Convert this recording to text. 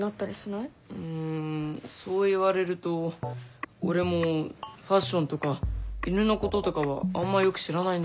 うんそう言われると俺もファッションとか犬のこととかはあんまよく知らないな。